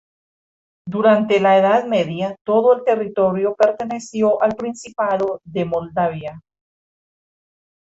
Durante la Edad Media todo el territorio perteneció al Principado de Moldavia.